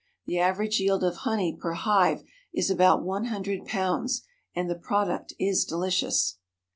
The average yield of honey per hive is about one hundred pounds, and the product is delicious.